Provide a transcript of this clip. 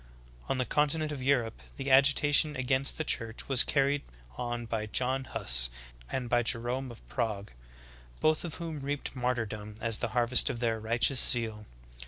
4. On the continent of Europe the agitation against the Church was carried on by John Huss and by Jerome of Prague, both of whom reaped martyrdom as the harvest of their righteous zeal.